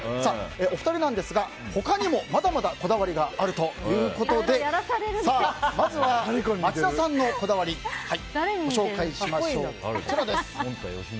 お二人なんですがまだまだこだわりがあるということでまずは、町田さんのこだわりご紹介しましょう。